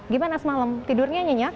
gimana semalam tidurnya nyenyak